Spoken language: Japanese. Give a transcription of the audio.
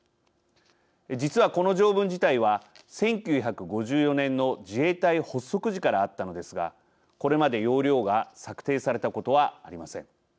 実はこの条文自体は１９５４年の自衛隊発足時からあったのですがこれまで要領が策定されたことはありません。